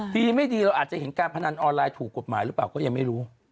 ดีไม่ดีเราอาจจะเห็นการพนันออนไลน์ถูกกฎหมายหรือเปล่าก็ยังไม่รู้